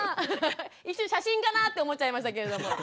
一瞬写真かなって思っちゃいましたけれども。